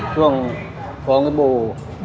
ช่วงพร้อมกระบู